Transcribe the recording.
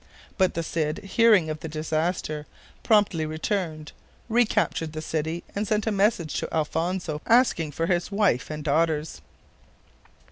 But the Cid, hearing of the disaster, promptly returned, recaptured the city, and sent a message to Alfonso asking for his wife and daughters.